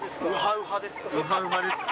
ウハウハですか。